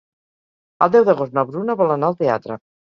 El deu d'agost na Bruna vol anar al teatre.